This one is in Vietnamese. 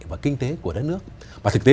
và kinh tế của đất nước và thực tế